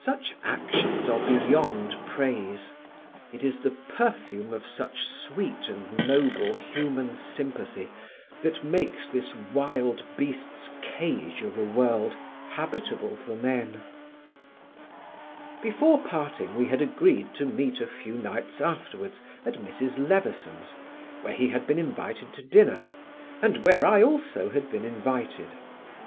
Such actions are beyond praise; it is the perfume of such sweet and noble human sympathy that makes this wild beasts' cage of a world habitable for men. Before parting we had agreed to meet a few nights afterwards at Mrs. Leverson's, where he had been invited to dinner, and where I also had been invited.